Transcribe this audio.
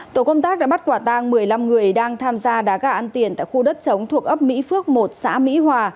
tổ công tác đã bắt quả tang một mươi năm người đang tham gia đá gà ăn tiền tại khu đất chống thuộc ấp mỹ phước một xã mỹ hòa